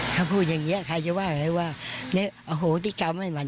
เขาพูดอย่างเงี้ยใครจะว่าอะไรว่าเนี่ยโอ้โหติดกรรมให้มัน